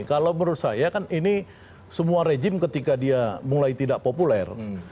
kalau menurut saya kan ini semua rejim ketika dia mulai tidak populer